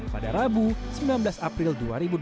pada rabu sembilan belas april dua ribu dua puluh